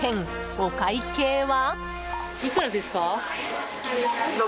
お会計は。